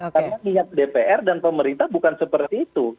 karena niat dpr dan pemerintah bukan seperti itu